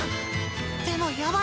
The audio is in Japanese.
でもやばい！